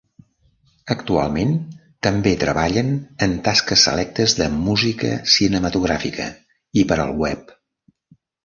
Actualment també treballen en tasques selectes de música cinematogràfica i per al web.